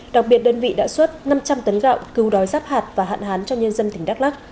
đặc biệt đơn vị đã xuất năm trăm linh tấn gạo cứu đói ráp hạt và hạn hán cho nhân dân tỉnh đắk lắc